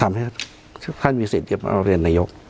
ทำให้ทุกท่านมีสิทธิ์เตรียมมาเป็นนัยยก